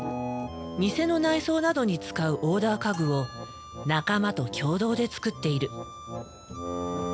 店の内装などに使うオーダー家具を仲間と共同で作っている。